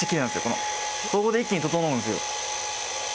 ここで一気に整うんですよ。